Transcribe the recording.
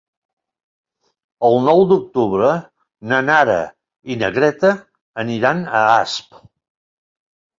El nou d'octubre na Nara i na Greta aniran a Asp.